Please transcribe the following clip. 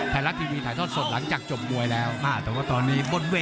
ไทรัตน์ทีวีถ่ายทอดสดหลังจากจบป่วยแล้ว